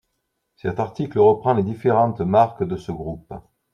Cet article reprend les différentes marques de ce groupe.